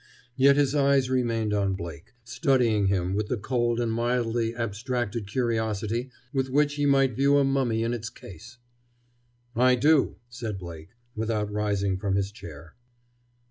Yet his eyes remained on Blake, studying him with the cold and mildly abstracted curiosity with which he might view a mummy in its case. "I do!" said Blake, without rising from his chair.